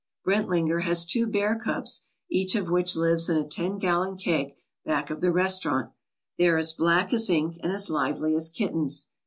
Brentlinger has two bear cubs, each of which lives in a ten gallon keg back of the restaurant. They are as black as ink and as lively as kittens.